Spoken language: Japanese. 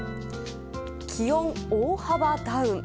気温、大幅ダウン。